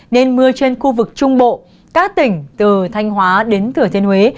nên mưa trên khu vực trung bộ các tỉnh từ thanh hóa đến thừa thiên huế